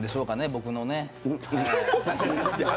僕のね。